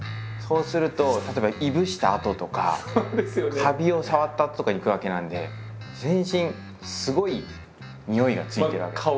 そうすると例えばいぶしたあととかカビを触ったあととかに行くわけなので全身すごいにおいがついてるわけ。